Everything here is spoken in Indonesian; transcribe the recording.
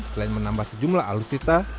selain menambah sejumlah alutsisa